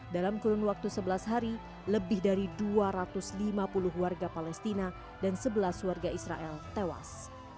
dalam kurun waktu sebelas hari lebih dari dua ratus lima puluh warga palestina dan sebelas warga israel tewas